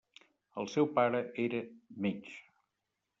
El seu pare era metge.